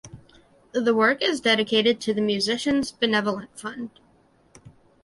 The work is dedicated to the Musicians Benevolent Fund.